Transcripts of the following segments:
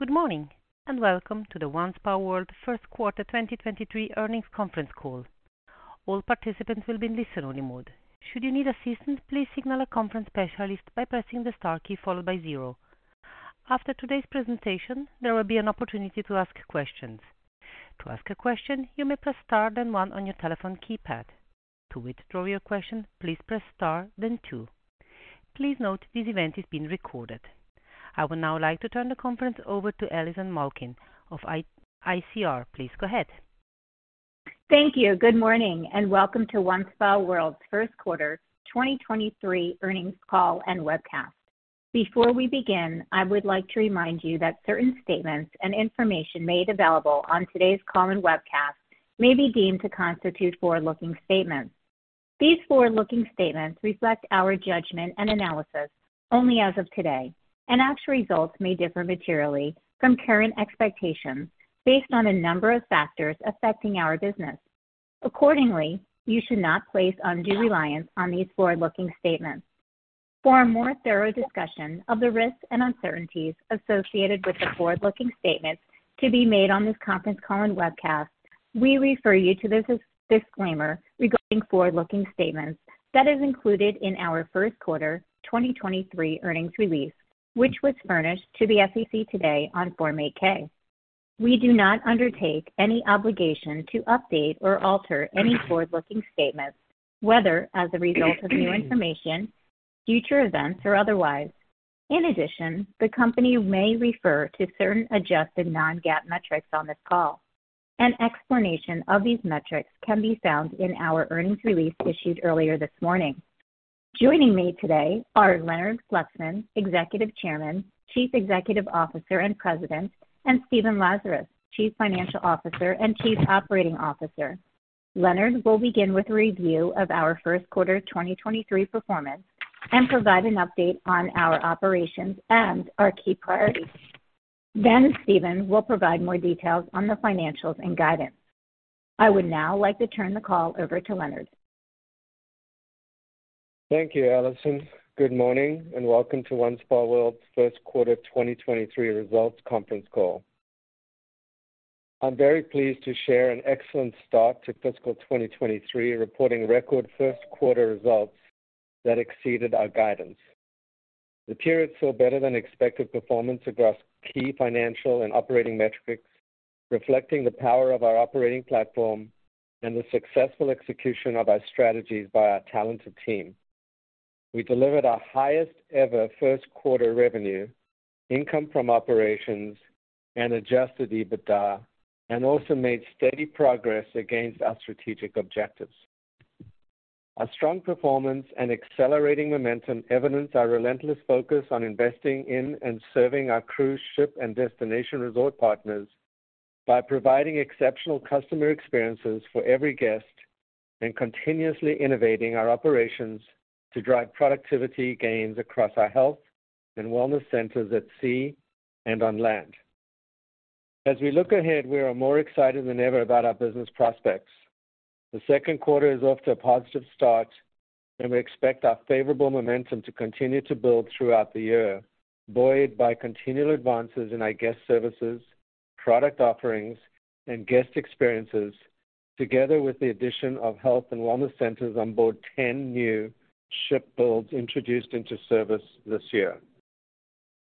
Good morning, welcome to the OneSpaWorld First Quarter 2023 Earnings Conference Call. All participants will be in listen-only mode. Should you need assistance, please signal a conference specialist by pressing the star key followed by zero. After today's presentation, there will be an opportunity to ask questions. To ask a question, you may press star then one on your telephone keypad. To withdraw your question, please press star then two. Please note this event is being recorded. I would now like to turn the conference over to Allison Malkin of ICR. Please go ahead. Thank you. Welcome to OneSpaWorld's First Quarter 2023 Earnings Call and webcast. Before we begin, I would like to remind you that certain statements and information made available on today's call and webcast may be deemed to constitute forward-looking statements. These forward-looking statements reflect our judgment and analysis only as of today, and actual results may differ materially from current expectations based on a number of factors affecting our business. Accordingly, you should not place undue reliance on these forward-looking statements. For a more thorough discussion of the risks and uncertainties associated with the forward-looking statements to be made on this conference call and webcast, we refer you to this disclaimer regarding forward-looking statements that is included in our first quarter 2023 earnings release, which was furnished to the SEC today on Form 8-K. We do not undertake any obligation to update or alter any forward-looking statements, whether as a result of new information, future events, or otherwise. In addition, the company may refer to certain adjusted non-GAAP metrics on this call. An explanation of these metrics can be found in our earnings release issued earlier this morning. Joining me today are Leonard Fluxman, Executive Chairman, Chief Executive Officer, and President, and Stephen Lazarus, Chief Financial Officer and Chief Operating Officer. Leonard will begin with a review of our first quarter 2023 performance and provide an update on our operations and our key priorities. Then Stephen will provide more details on the financials and guidance. I would now like to turn the call over to Leonard. Thank you, Allison. Good morning and welcome to OneSpaWorld's First Quarter 2023 Results Conference Call. I'm very pleased to share an excellent start to fiscal 2023, reporting record first quarter results that exceeded our guidance. The period saw better-than-expected performance across key financial and operating metrics, reflecting the power of our operating platform and the successful execution of our strategies by our talented team. We delivered our highest-ever first quarter revenue, income from operations, and adjusted EBITDA, and also made steady progress against our strategic objectives. Our strong performance and accelerating momentum evidence our relentless focus on investing in and serving our cruise ship and destination resort partners by providing exceptional customer experiences for every guest and continuously innovating our operations to drive productivity gains across our health and wellness centers at sea and on land. As we look ahead, we are more excited than ever about our business prospects. The second quarter is off to a positive start, we expect our favorable momentum to continue to build throughout the year, buoyed by continual advances in our guest services, product offerings, and guest experiences, together with the addition of health and wellness centers on board 10 new ship builds introduced into service this year.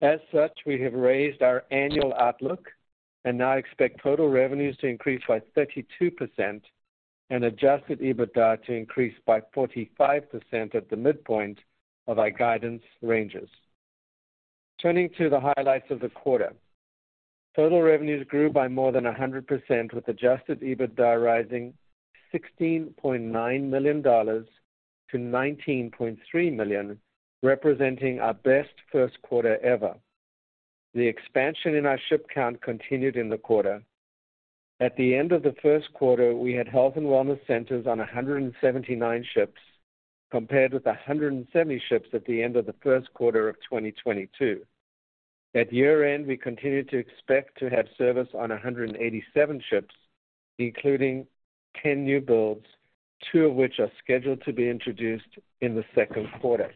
As such, we have raised our annual outlook and now expect total revenues to increase by 32% and adjusted EBITDA to increase by 45% at the midpoint of our guidance ranges. Turning to the highlights of the quarter. Total revenues grew by more than 100%, with adjusted EBITDA rising $16.9 million to $19.3 million, representing our best first quarter ever. The expansion in our ship count continued in the quarter. At the end of the first quarter, we had health and wellness centers on 179 ships, compared with 170 ships at the end of the first quarter of 2022. At year-end, we continued to expect to have service on 187 ships, including 10 new builds, two of which are scheduled to be introduced in the second quarter.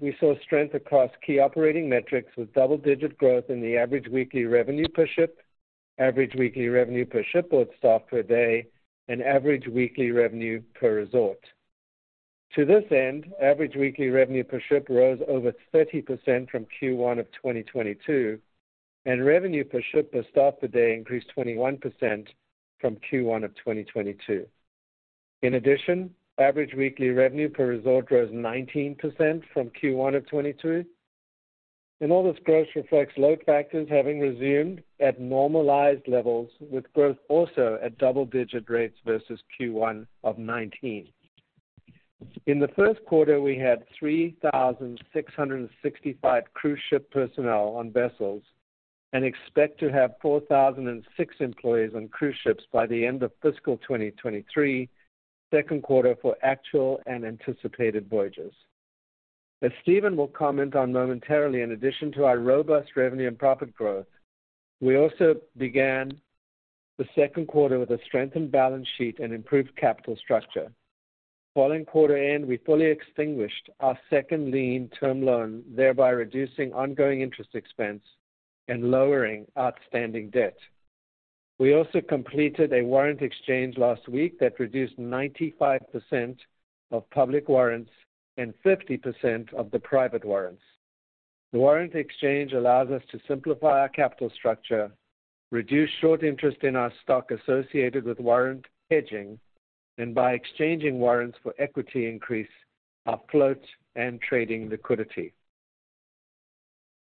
We saw strength across key operating metrics, with double-digit growth in the average weekly revenue per ship, average weekly revenue per ship or staff per day, and average weekly revenue per resort. To this end, average weekly revenue per ship rose over 30% from Q1 of 2022, and revenue per ship per staff per day increased 21% from Q1 of 2022. In addition, average weekly revenue per resort rose 19% from Q1 2022. All this growth reflects load factors having resumed at normalized levels with growth also at double-digit rates versus Q1 2019. In the first quarter, we had 3,665 cruise ship personnel on vessels and expect to have 4,006 employees on cruise ships by the end of fiscal 2023 second quarter for actual and anticipated voyages. As Stephen will comment on momentarily, in addition to our robust revenue and profit growth, we also began the second quarter with a strengthened balance sheet and improved capital structure. Following quarter end, we fully extinguished our second lien term loan, thereby reducing ongoing interest expense and lowering outstanding debt. We also completed a warrant exchange last week that reduced 95% of public warrants and 50% of the private warrants. The warrant exchange allows us to simplify our capital structure, reduce short interest in our stock associated with warrant hedging, and by exchanging warrants for equity, increase our float and trading liquidity.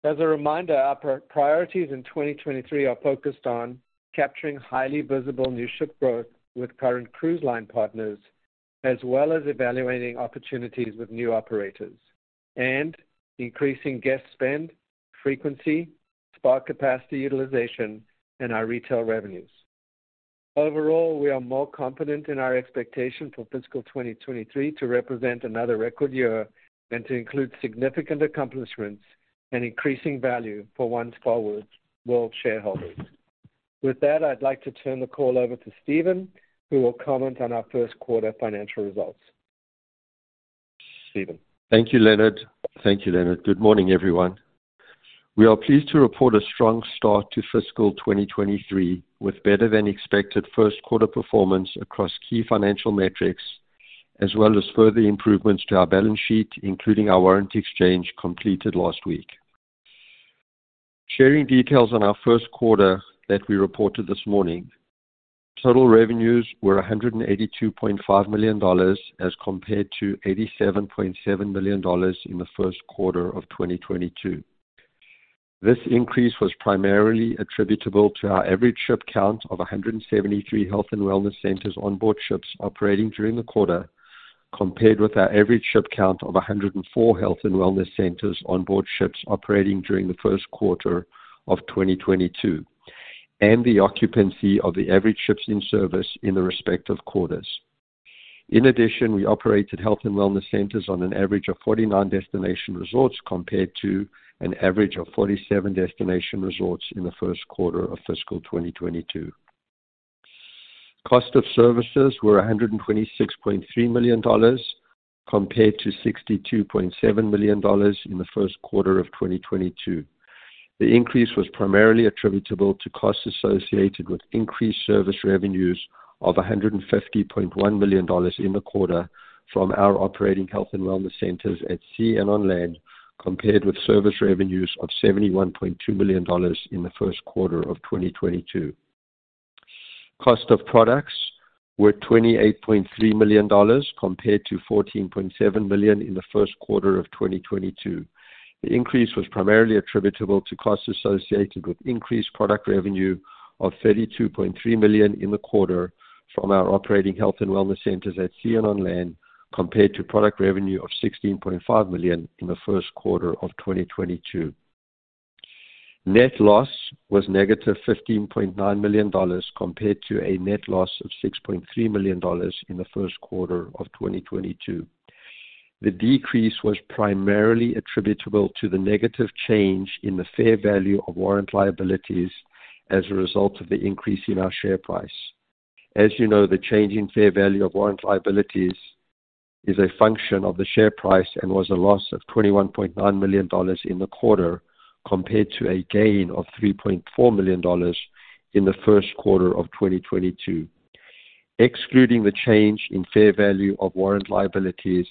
As a reminder, our priorities in 2023 are focused on capturing highly visible new ship growth with current cruise line partners, as well as evaluating opportunities with new operators and increasing guest spend, frequency, spa capacity utilization, and our retail revenues. Overall, we are more confident in our expectation for fiscal 2023 to represent another record year and to include significant accomplishments and increasing value for OneSpaWorld shareholders. With that, I'd like to turn the call over to Stephen, who will comment on our first quarter financial results. Stephen. Thank you, Leonard. Good morning, everyone. We are pleased to report a strong start to fiscal 2023 with better-than-expected first quarter performance across key financial metrics, as well as further improvements to our balance sheet, including our warrant exchange completed last week. Sharing details on our first quarter that we reported this morning. Total revenues were $182.5 million as compared to $87.7 million in the first quarter of 2022. This increase was primarily attributable to our average ship count of 173 health and wellness centers on board ships operating during the quarter, compared with our average ship count of 104 health and wellness centers on board ships operating during the first quarter of 2022, and the occupancy of the average ships in service in the respective quarters. In addition, we operated health and wellness centers on an average of 49 destination resorts, compared to an average of 47 destination resorts in the first quarter of fiscal 2022. Cost of services were $126.3 million compared to $62.7 million in the first quarter of 2022. The increase was primarily attributable to costs associated with increased service revenues of $150.1 million in the quarter from our operating health and wellness centers at sea and on land, compared with service revenues of $71.2 million in the first quarter of 2022. Cost of products were $28.3 million compared to $14.7 million in the first quarter of 2022. The increase was primarily attributable to costs associated with increased product revenue of $32.3 million in the quarter from our operating health and wellness centers at sea and on land, compared to product revenue of $16.5 million in the first quarter of 2022. Net loss was negative $15.9 million compared to a net loss of $6.3 million in the first quarter of 2022. The decrease was primarily attributable to the negative change in the fair value of warrant liabilities as a result of the increase in our share price. As you know, the change in fair value of warrant liabilities is a function of the share price and was a loss of $21.9 million in the quarter compared to a gain of $3.4 million in the first quarter of 2022. Excluding the change in fair value of warrant liabilities,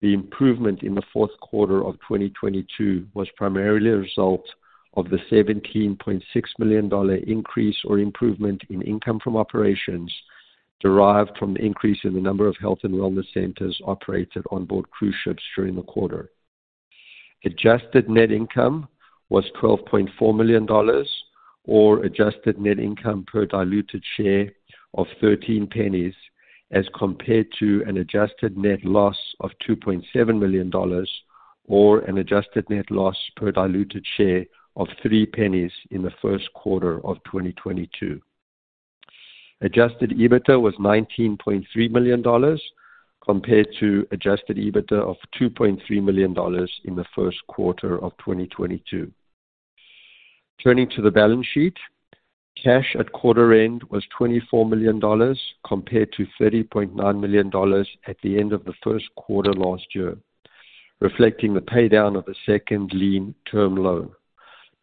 the improvement in the fourth quarter of 2022 was primarily a result of the $17.6 million increase or improvement in income from operations derived from the increase in the number of health and wellness centers operated on board cruise ships during the quarter. Adjusted net income was $12.4 million or adjusted net income per diluted share of $0.13 as compared to an adjusted net loss of $2.7 million or an adjusted net loss per diluted share of $0.03 in the first quarter of 2022. Adjusted EBITDA was $19.3 million compared to adjusted EBITDA of $2.3 million in the first quarter of 2022. Turning to the balance sheet. Cash at quarter end was $24 million compared to $30.9 million at the end of the first quarter last year, reflecting the paydown of the second lien term loan.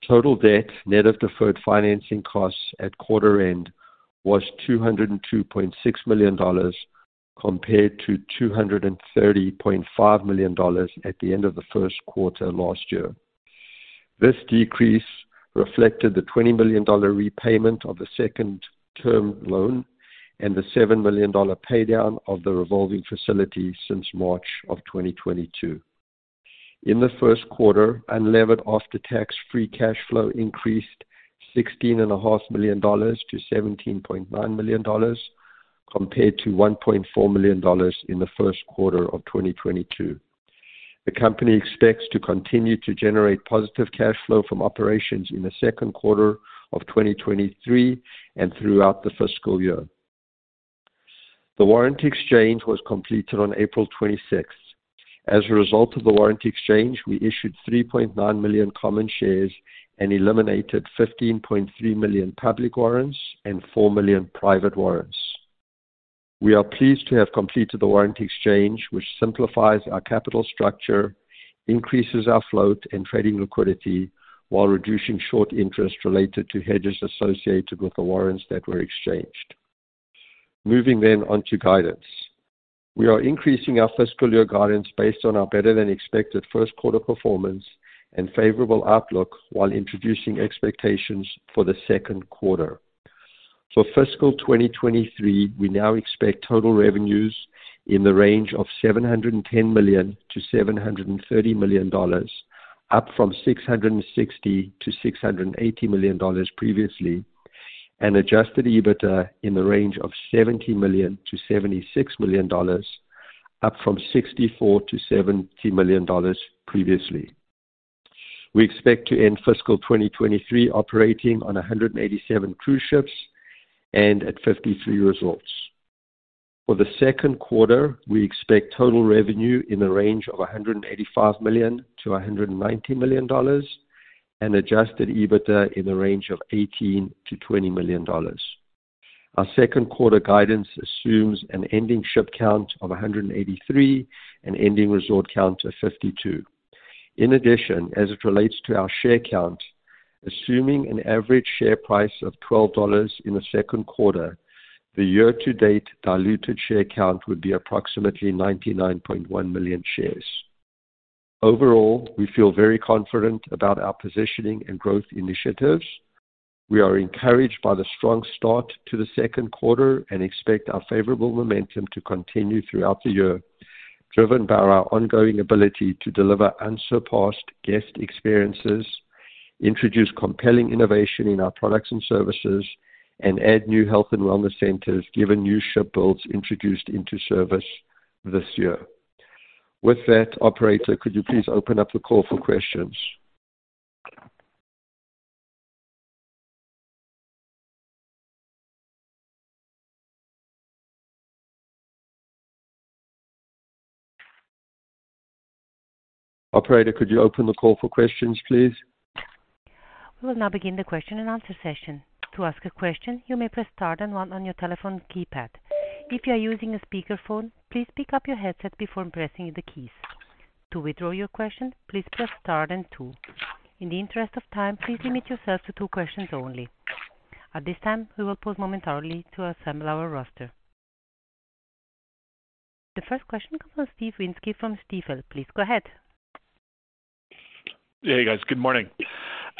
Total debt, net of deferred financing costs at quarter end was $202.6 million compared to $230.5 million at the end of the first quarter last year. This decrease reflected the $20 million repayment of the second-term loan and the $7 million paydown of the revolving facility since March of 2022. In the first quarter, unlevered after-tax free cash flow increased sixteen and a half million dollars to $17.9 million compared to $1.4 million in the first quarter of 2022. The company expects to continue to generate positive cash flow from operations in the second quarter of 2023 and throughout the fiscal year. The warrant exchange was completed on April 26. A result of the warrant exchange, we issued 3.9 million common shares and eliminated 15.3 million public warrants and 4 million private warrants. We are pleased to have completed the warrant exchange, which simplifies our capital structure, increases our float and trading liquidity, while reducing short interest related to hedges associated with the warrants that were exchanged. Moving on to guidance. We are increasing our fiscal year guidance based on our better-than-expected first quarter performance and favorable outlook while introducing expectations for the second quarter. For fiscal 2023, we now expect total revenues in the range of $710 million-$730 million, up from $660 million-$680 million previously, and adjusted EBITDA in the range of $70 million-$76 million, up from $64 million-$70 million previously. We expect to end fiscal 2023 operating on 187 cruise ships and at 53 resorts. For the second quarter, we expect total revenue in the range of $185 million-$190 million and adjusted EBITDA in the range of $18 million-$20 million. Our second quarter guidance assumes an ending ship count of 183 and ending resort count of 52. In addition, as it relates to our share count, assuming an average share price of $12 in the second quarter, the year-to-date diluted share count would be approximately 99.1 million shares. Overall, we feel very confident about our positioning and growth initiatives. We are encouraged by the strong start to the second quarter and expect our favorable momentum to continue throughout the year, driven by our ongoing ability to deliver unsurpassed guest experiences, introduce compelling innovation in our products and services, and add new health and wellness centers given new ship builds introduced into service this year. With that, operator, could you please open up the call for questions? Operator, could you open the call for questions, please? We will now begin the question and answer session. To ask a question, you may press star then one on your telephone keypad. If you are using a speakerphone, please pick up your headset before pressing the keys. To withdraw your question, please press star then two. In the interest of time, please limit yourself to two questions only. At this time, we will pause momentarily to assemble our roster. The first question comes from Steve Wieczynski from Stifel. Please go ahead. Hey, guys. Good morning.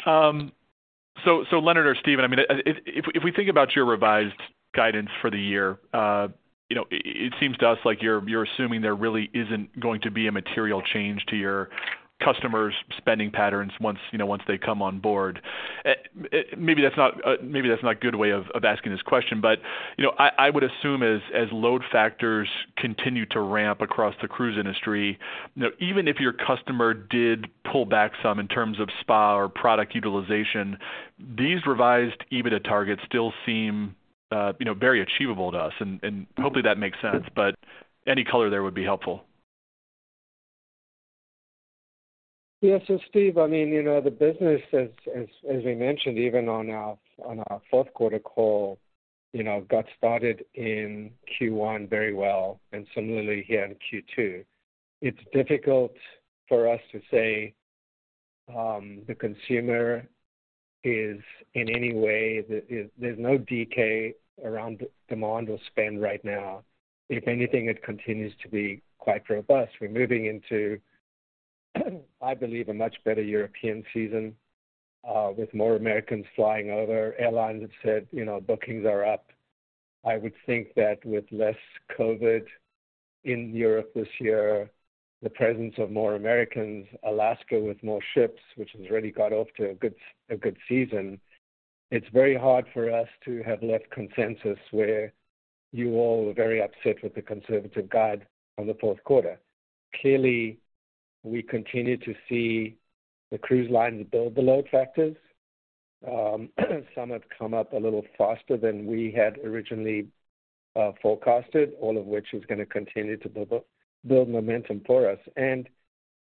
Leonard or Stephen, I mean, if we think about your revised guidance for the year, you know, it seems to us like you're assuming there really isn't going to be a material change to your customers' spending patterns once, you know, once they come on board. Maybe that's not a good way of asking this question, but, you know, I would assume as load factors continue to ramp across the cruise industry, you know, even if your customer did pull back some in terms of spa or product utilization, these revised EBITDA targets still seem, you know, very achievable to us, and hopefully that makes sense, but any color there would be helpful. Steve, I mean, you know, the business as we mentioned, even on our fourth quarter call, you know, got started in Q1 very well and similarly here in Q2. It's difficult for us to say, the consumer is in any way there's no decay around demand or spend right now. If anything, it continues to be quite robust. We're moving into I believe a much better European season, with more Americans flying over. Airlines have said, you know, bookings are up. I would think that with less COVID in Europe this year, the presence of more Americans, Alaska with more ships, which has already got off to a good season, it's very hard for us to have left consensus where you all were very upset with the conservative guide on the fourth quarter. Clearly, we continue to see the cruise lines build the load factors. Some have come up a little faster than we had originally forecasted, all of which is gonna continue to build momentum for us.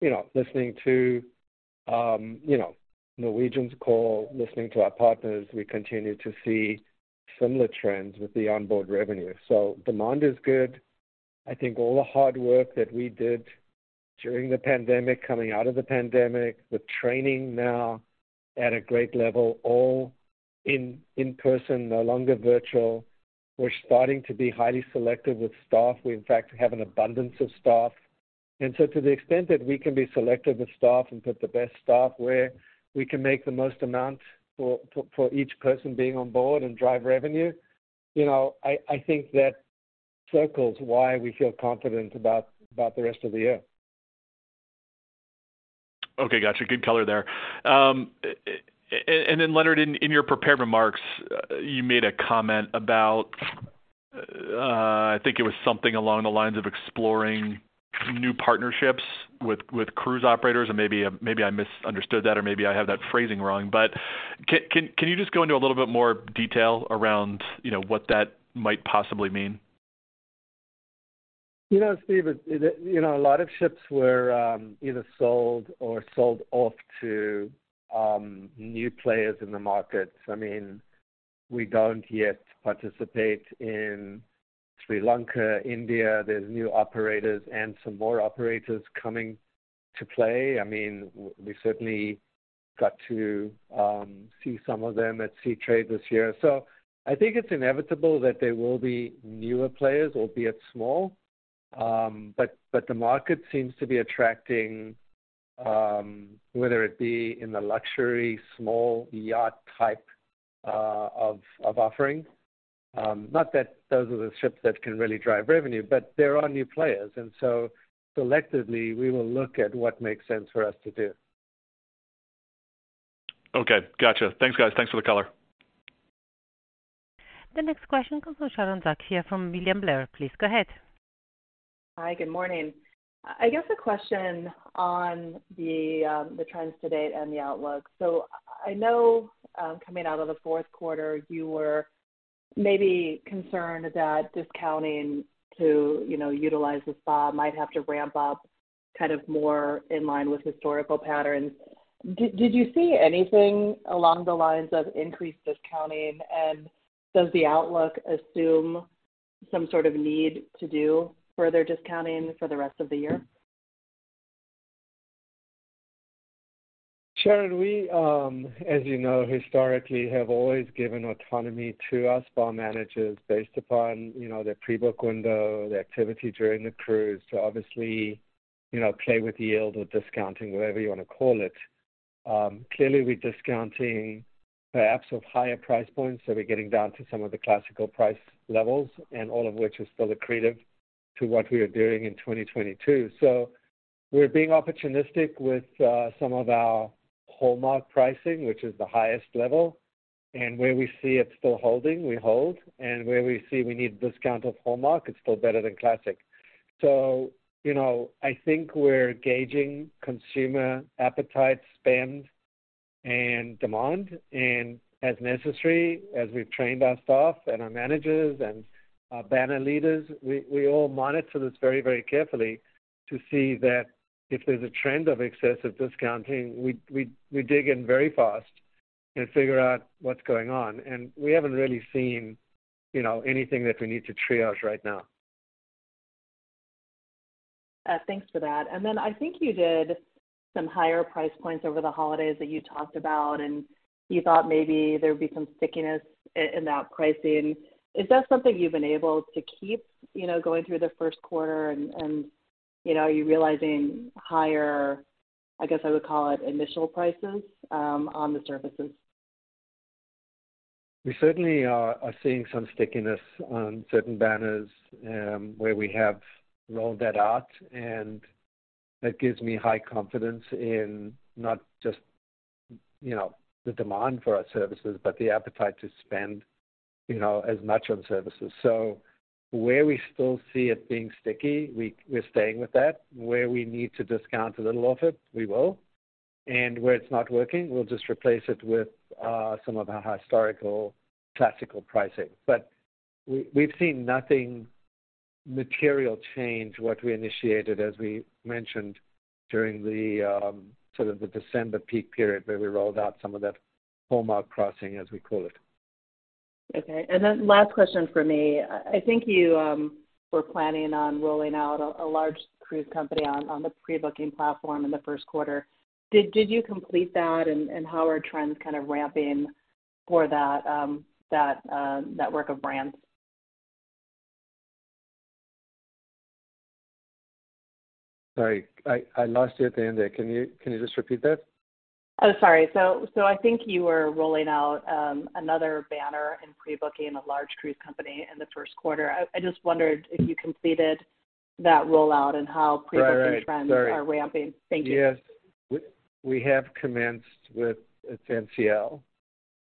You know, listening to, you know, Norwegian's call, listening to our partners, we continue to see similar trends with the onboard revenue. Demand is good. I think all the hard work that we did during the pandemic, coming out of the pandemic, with training now at a great level, all in person, no longer virtual. We're starting to be highly selective with staff. We, in fact, have an abundance of staff. To the extent that we can be selective with staff and put the best staff where we can make the most amount for each person being on board and drive revenue, you know, I think that circles why we feel confident about the rest of the year. Okay. Got you. Good color there. Then Leonard, in your prepared remarks, you made a comment about, I think it was something along the lines of exploring new partnerships with cruise operators, and maybe I misunderstood that or maybe I have that phrasing wrong. Can you just go into a little bit more detail around, you know, what that might possibly mean? You know, Steve, it, you know, a lot of ships were either sold or sold off to new players in the market. I mean, we don't yet participate in Sri Lanka, India. There's new operators and some more operators coming to play. I mean, we certainly got to see some of them at Seatrade Cruise this year. I think it's inevitable that there will be newer players, albeit small. But the market seems to be attracting whether it be in the luxury, small yacht type of offering. Not that those are the ships that can really drive revenue, but there are new players. Selectively, we will look at what makes sense for us to do. Okay. Gotcha. Thanks, guys. Thanks for the color. The next question comes from Sharon Zackfia from William Blair. Please go ahead. Hi, good morning. I guess a question on the trends to date and the outlook. I know, coming out of the fourth quarter, you were maybe concerned that discounting to, you know, utilize the spa might have to ramp up kind of more in line with historical patterns. Did you see anything along the lines of increased discounting? Does the outlook assume some sort of need to do further discounting for the rest of the year? Sharon, we, as you know, historically have always given autonomy to our spa managers based upon, you know, their pre-book window, the activity during the cruise to obviously, you know, play with yield or discounting, whatever you wanna call it. Clearly, we're discounting perhaps of higher price points, so we're getting down to some of the Classic price levels, and all of which is still accretive to what we were doing in 2022. We're being opportunistic with some of our Hallmark pricing, which is the highest level. Where we see it still holding, we hold. Where we see we need a discount of Hallmark, it's still better than Classic. You know, I think we're gauging consumer appetite, spend, and demand. As necessary, as we've trained our staff and our managers and our banner leaders, we all monitor this very, very carefully to see that if there's a trend of excessive discounting, we dig in very fast and figure out what's going on. We haven't really seen, you know, anything that we need to triage right now. Thanks for that. Then I think you did some higher price points over the holidays that you talked about, and you thought maybe there'd be some stickiness in that pricing. Is that something you've been able to keep, you know, going through the first quarter and, you know, are you realizing higher, I guess I would call it initial prices, on the services? We certainly are seeing some stickiness on certain banners, where we have rolled that out, and that gives me high confidence in not just, you know, the demand for our services, but the appetite to spend, you know, as much on services. Where we still see it being sticky, we're staying with that. Where we need to discount a little of it, we will. Where it's not working, we'll just replace it with some of our historical classical pricing. We've seen nothing material change what we initiated, as we mentioned during the sort of the December peak period where we rolled out some of that Hallmark pricing, as we call it. Okay. Last question from me. I think you were planning on rolling out a large cruise company on the pre-booking platform in the first quarter. Did you complete that? How are trends kind of ramping for that network of brands? Sorry, I lost you at the end there. Can you just repeat that? Oh, sorry. I think you were rolling out another banner in pre-booking a large cruise company in the first quarter. I just wondered if you completed that rollout and how pre-booking. Right. Right. Sorry. trends are ramping. Thank you. Yes. We have commenced with NCL,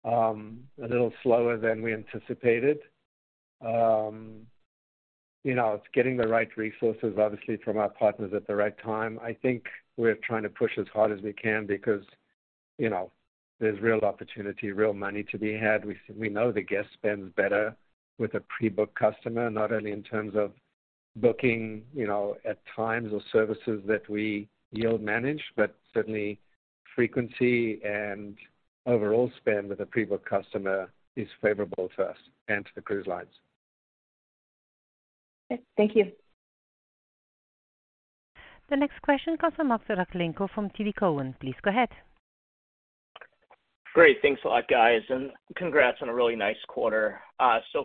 a little slower than we anticipated. You know, it's getting the right resources, obviously from our partners at the right time. I think we're trying to push as hard as we can because, you know, there's real opportunity, real money to be had. We know the guest spends better with a pre-book customer, not only in terms of booking, you know, at times or services that we yield manage, but certainly frequency and overall spend with a pre-book customer is favorable to us and to the cruise lines. Okay. Thank you. The next question comes from Max Rakhlenko from TD Cowen. Please go ahead. Great. Thanks a lot, guys, and congrats on a really nice quarter.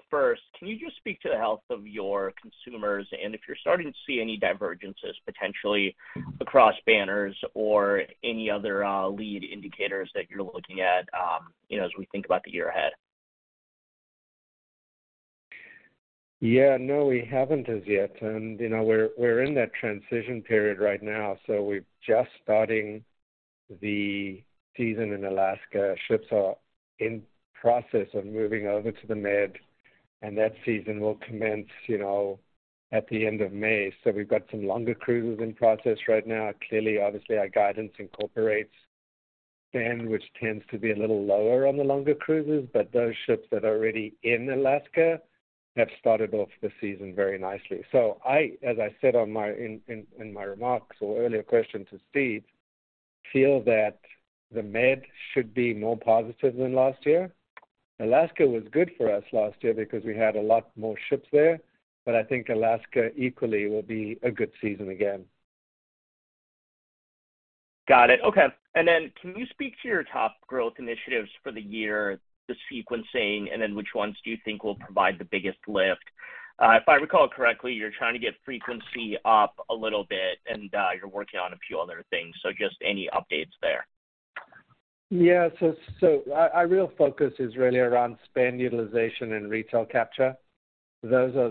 First, can you just speak to the health of your consumers and if you're starting to see any divergences potentially across banners or any other, lead indicators that you're looking at, you know, as we think about the year ahead? No, we haven't as yet. You know, we're in that transition period right now, so we're just starting the season in Alaska. Ships are in process of moving over to the Med. That season will commence, you know, at the end of May. We've got some longer cruises in process right now. Clearly, obviously, our guidance incorporates spend, which tends to be a little lower on the longer cruises, those ships that are already in Alaska have started off the season very nicely. I, as I said on my remarks or earlier question to Steve, feel that the Med should be more positive than last year. Alaska was good for us last year because we had a lot more ships there, I think Alaska equally will be a good season again. Got it. Okay. Can you speak to your top growth initiatives for the year, the sequencing, and then which ones do you think will provide the biggest lift? If I recall correctly, you're trying to get frequency up a little bit, and you're working on a few other things. Just any updates there. Our real focus is really around spend utilization and retail capture. Those are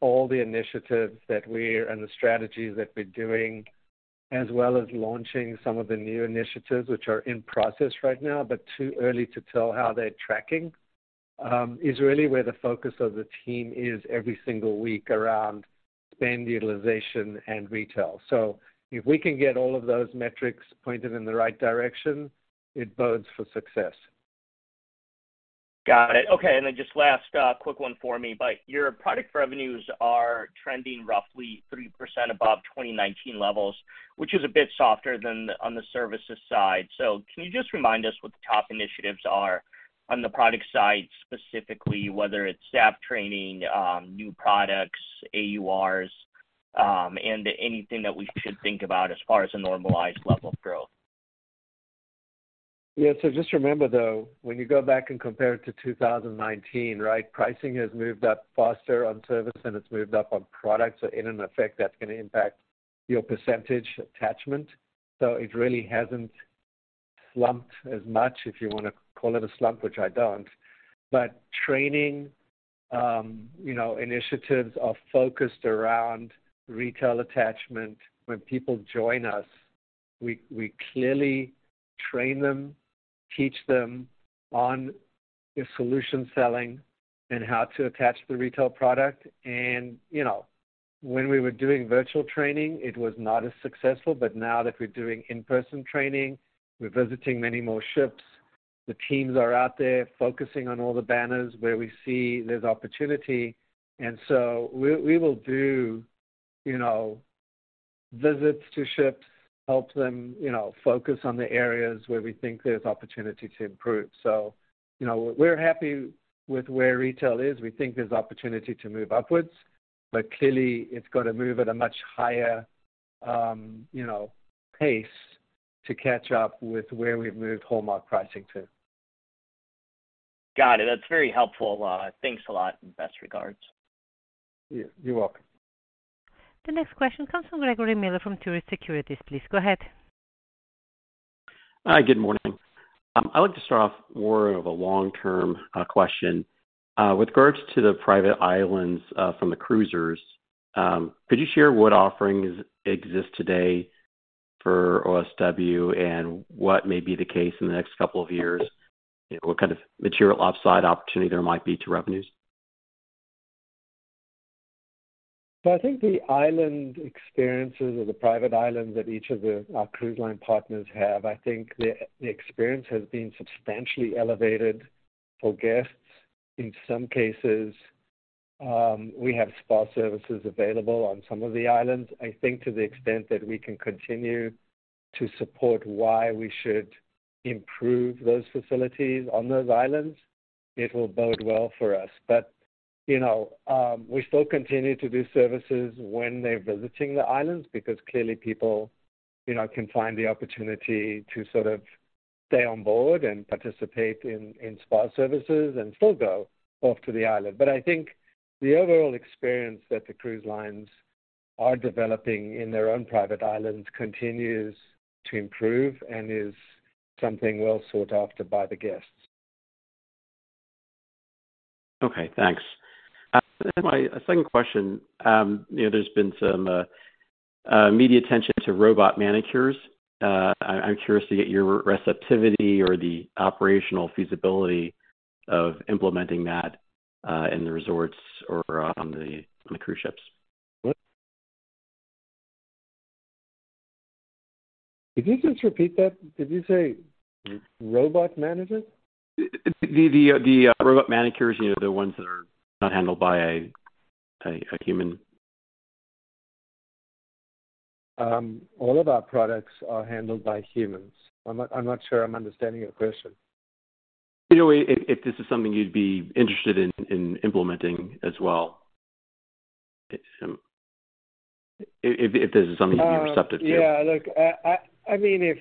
all the initiatives that we and the strategies that we're doing, as well as launching some of the new initiatives which are in process right now, but too early to tell how they're tracking, is really where the focus of the team is every single week around spend utilization and retail. If we can get all of those metrics pointed in the right direction, it bodes for success. Got it. Okay. Just last, quick one for me. Your product revenues are trending roughly 3% above 2019 levels, which is a bit softer than on the services side. Can you just remind us what the top initiatives are on the product side, specifically, whether it's staff training, new products, AURs, and anything that we should think about as far as a normalized level of growth? Yeah. Just remember, though, when you go back and compare it to 2019, right? Pricing has moved up faster on service than it's moved up on product, so in an effect, that's gonna impact your percentage attachment. It really hasn't slumped as much, if you wanna call it a slump, which I don't. Training, you know, initiatives are focused around retail attachment. When people join us, we clearly train them, teach them on the solution selling and how to attach the retail product. You know, when we were doing virtual training, it was not as successful, but now that we're doing in-person training, we're visiting many more ships. The teams are out there focusing on all the banners where we see there's opportunity. We will do, you know, visits to ships, help them, you know, focus on the areas where we think there's opportunity to improve. We're happy with where retail is. We think there's opportunity to move upwards, but clearly, it's got to move at a much higher, you know, pace to catch up with where we've moved Hallmark pricing to. Got it. That's very helpful. Thanks a lot. Best regards. You're welcome. The next question comes from Gregory Miller from Truist Securities. Please go ahead. Hi. Good morning. I'd like to start off more of a long-term question. With regards to the private islands, from the cruisers, could you share what offerings exist today for OSW and what may be the case in the next couple of years? What kind of material upside opportunity there might be to revenues? I think the island experiences or the private islands that each of our cruise line partners have, I think the experience has been substantially elevated for guests. In some cases, we have spa services available on some of the islands. I think to the extent that we can continue to support why we should improve those facilities on those islands, it'll bode well for us. You know, we still continue to do services when they're visiting the islands because clearly people, you know, can find the opportunity to sort of stay on board and participate in spa services and still go off to the island. I think the overall experience that the cruise lines are developing in their own private islands continues to improve and is something well sought after by the guests. Thanks. My second question, you know, there's been some media attention to robot manicures. I'm curious to get your receptivity or the operational feasibility of implementing that in the resorts or on the cruise ships. What? Could you just repeat that? Did you say robot managers? The robot manicures, you know, the ones that are not handled by a human. All of our products are handled by humans. I'm not sure I'm understanding your question. You know, if this is something you'd be interested in implementing as well. If this is something you're receptive to. Yeah. Look, I mean,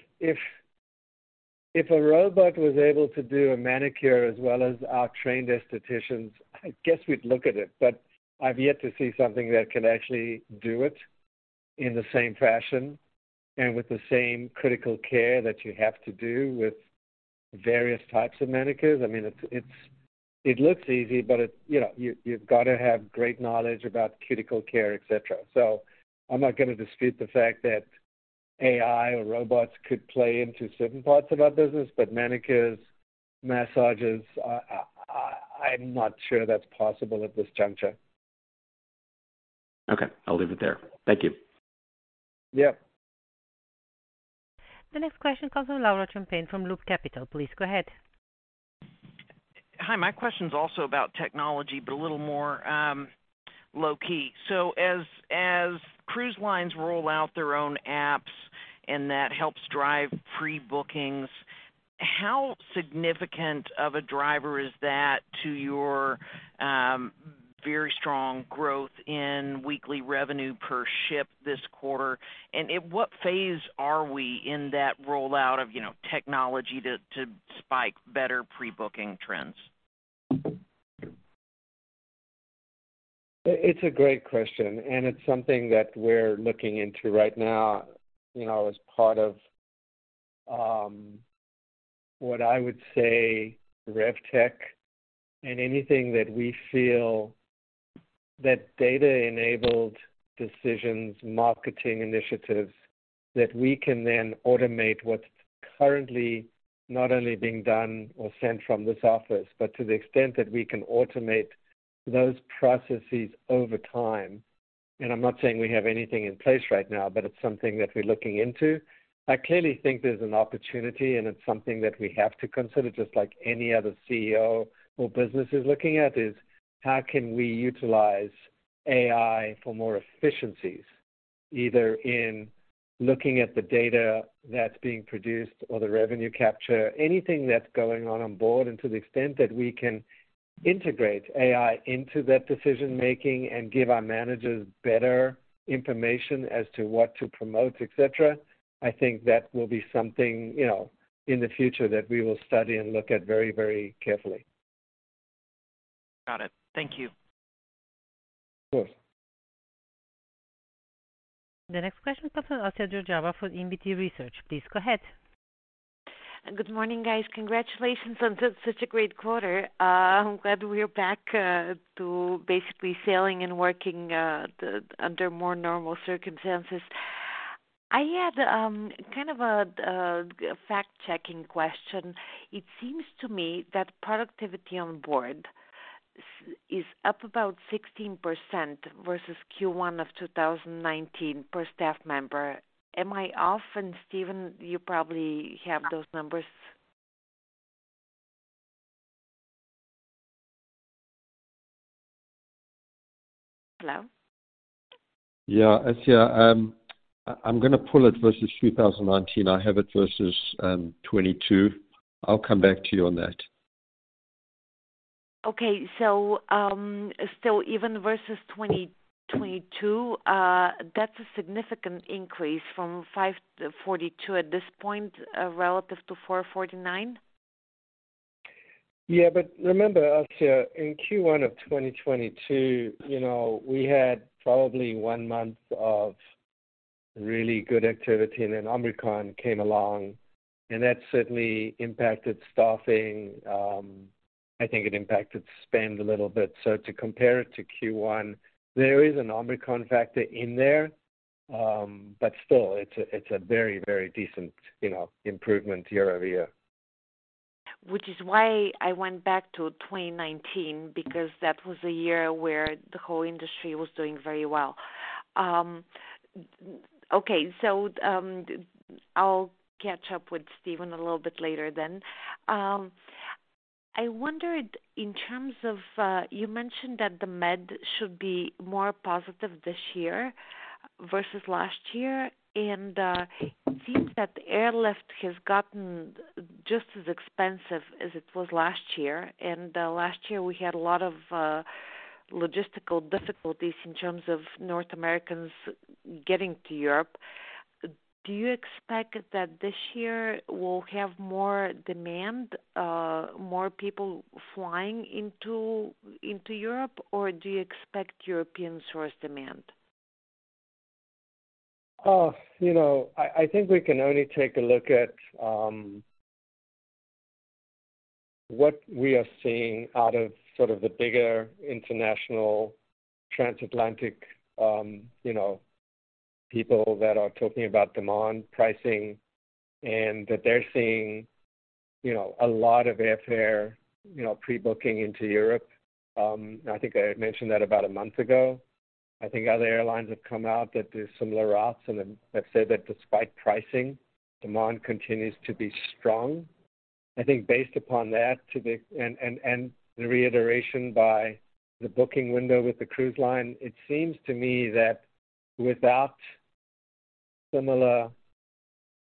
if a robot was able to do a manicure as well as our trained aestheticians, I guess we'd look at it, but I've yet to see something that can actually do it in the same fashion and with the same critical care that you have to do with various types of manicures. I mean, it's, it looks easy, but it. You know, you've got to have great knowledge about cuticle care, et cetera. I'm not gonna dispute the fact that AI or robots could play into certain parts of our business, but manicures, massages, I'm not sure that's possible at this juncture. Okay. I'll leave it there. Thank you. Yeah. The next question comes from Laura Champine from Loop Capital. Please go ahead. Hi. My question's also about technology, a little more low key. As cruise lines roll out their own apps, and that helps drive pre-bookings, how significant of a driver is that to your very strong growth in weekly revenue per ship this quarter? At what phase are we in that rollout of, you know, technology to spike better pre-booking trends? It's a great question, and it's something that we're looking into right now, you know, as part of, what I would say, RevTech and anything that we feel that data-enabled decisions, marketing initiatives that we can then automate what's currently not only being done or sent from this office, but to the extent that we can automate those processes over time. I'm not saying we have anything in place right now, but it's something that we're looking into. I clearly think there's an opportunity, and it's something that we have to consider, just like any other CEO or business is looking at, is how can we utilize AI for more efficiencies, either in looking at the data that's being produced or the revenue capture, anything that's going on onboard. To the extent that we can integrate AI into that decision-making and give our managers better information as to what to promote, et cetera, I think that will be something, you know, in the future that we will study and look at very, very carefully. Got it. Thank you. Sure. The next question comes from Assia Georgieva for Infinity Research. Please go ahead. Good morning, guys. Congratulations on such a great quarter. I'm glad we are back to basically sailing and working under more normal circumstances. I had kind of a fact-checking question. It seems to me that productivity on board is up about 16% versus Q1 of 2019 per staff member. Am I off? Stephen, you probably have those numbers. Hello? Yeah. Assia, I'm gonna pull it versus 2019. I have it versus 22. I'll come back to you on that. Still even versus 2022, that's a significant increase from $542 at this point, relative to $449. Remember, Assia, in Q1 of 2022, you know, we had probably one month of really good activity, Omicron came along, and that certainly impacted staffing. I think it impacted spend a little bit. To compare it to Q1, there is an Omicron factor in there. still it's a very, very decent, you know, improvement year-over-year. Which is why I went back to 2019, because that was a year where the whole industry was doing very well. Okay. I'll catch up with Stephen a little bit later then. I wondered in terms of, you mentioned that the Med should be more positive this year versus last year. It seems that the airlift has gotten just as expensive as it was last year. Last year we had a lot of logistical difficulties in terms of North Americans getting to Europe. Do you expect that this year we'll have more demand, more people flying into Europe, or do you expect European source demand? You know, I think we can only take a look at what we are seeing out of sort of the bigger international transatlantic people that are talking about demand pricing and that they're seeing a lot of airfare pre-booking into Europe. I think I mentioned that about a month ago. I think other airlines have come out that do similar routes and have said that despite pricing, demand continues to be strong. I think based upon that, and the reiteration by the booking window with the cruise line, it seems to me that without similar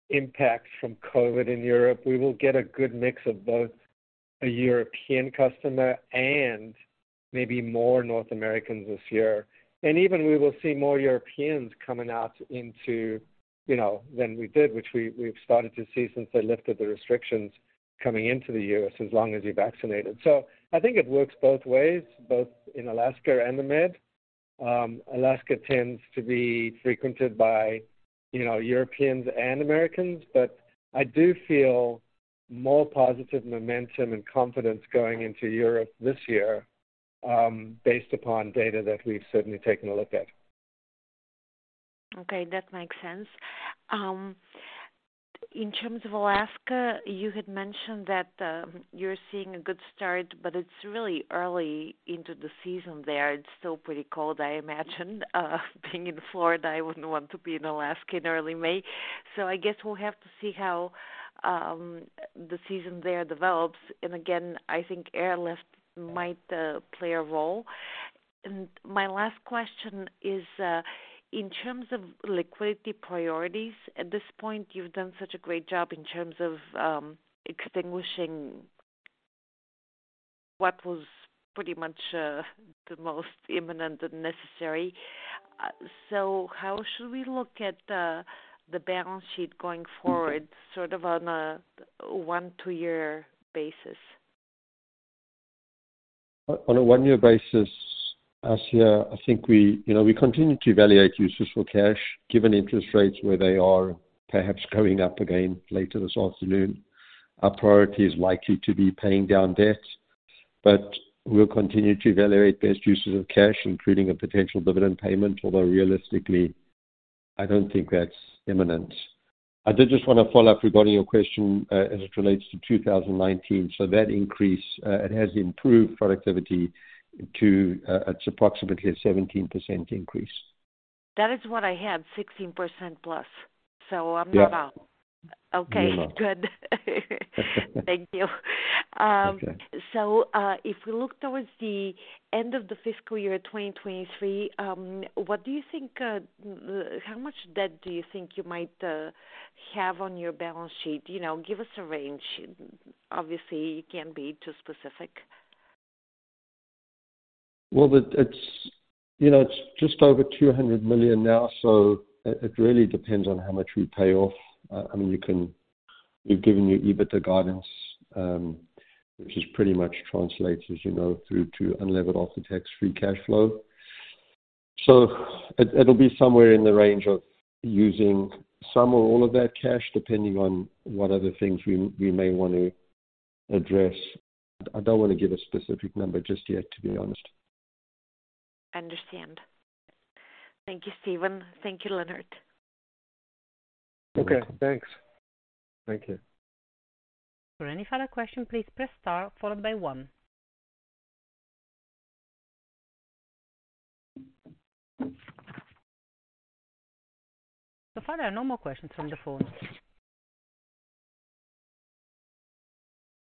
impacts from COVID in Europe, we will get a good mix of both a European customer and maybe more North Americans this year. Even we will see more Europeans coming out into, you know, than we did, which we've started to see since they lifted the restrictions coming into the U.S. as long as you're vaccinated. I think it works both ways, both in Alaska and the Med. Alaska tends to be frequented by, you know, Europeans and Americans, but I do feel more positive momentum and confidence going into Europe this year. Based upon data that we've certainly taken a look at. Okay, that makes sense. In terms of Alaska, you had mentioned that you're seeing a good start, but it's really early into the season there. It's still pretty cold, I imagine. Being in Florida, I wouldn't want to be in Alaska in early May. I guess we'll have to see how the season there develops. Again, I think airlift might play a role. My last question is in terms of liquidity priorities at this point, you've done such a great job in terms of extinguishing what was pretty much the most imminent and necessary. How should we look at the balance sheet going forward, sort of on a one two year basis? On a one-year basis, Asya, I think we, you know, we continue to evaluate uses for cash. Given interest rates where they are perhaps coming up again later this afternoon, our priority is likely to be paying down debt. We'll continue to evaluate best uses of cash, including a potential dividend payment, although realistically, I don't think that's imminent. I did just wanna follow up regarding your question, as it relates to 2019. That increase, it has improved productivity to, it's approximately a 17% increase. That is what I had, 16% plus. Yeah. not wrong. Okay. You're not. Good. Thank you. Okay. If we look towards the end of the fiscal year 2023, what do you think How much debt do you think you might have on your balance sheet? You know, give us a range. Obviously, you can't be too specific. Well, it's, you know, it's just over $200 million now, so it really depends on how much we pay off. I mean, you can. We've given you EBITDA guidance, which is pretty much translates, as you know, through to unlevered after-tax free cash flow. It, it'll be somewhere in the range of using some or all of that cash, depending on what other things we may wanna address. I don't wanna give a specific number just yet, to be honest. I understand. Thank you, Stephen. Thank you, Leonard. Okay. Thanks. Thank you. For any further question, please press star followed by one. So far, there are no more questions from the phone.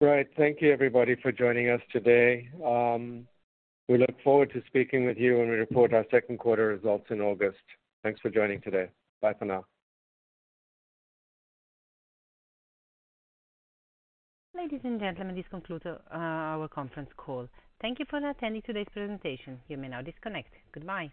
Great. Thank you everybody for joining us today. We look forward to speaking with you when we report our second quarter results in August. Thanks for joining today. Bye for now. Ladies and gentlemen, this concludes our conference call. Thank you for attending today's presentation. You may now disconnect. Goodbye.